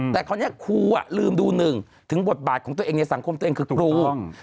แต่คราวนี้ครูลืมดูหนึ่งถึงบทบาทของตัวเองในสังคมตัวเองคือครู